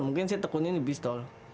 mungkin saya tekunnya di pistol